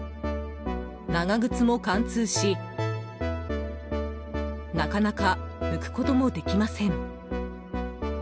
長靴も貫通しなかなか抜くこともできません。